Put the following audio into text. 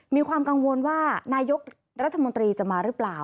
มีความกังวลว่านายกรัฐมนตรีจะมาหรือเปล่า